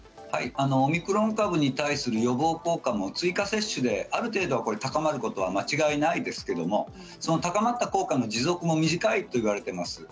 オミクロン株に対する予防効果も追加接種である程度高まることは間違いないですけれども高まった効果の持続も短いといわれています。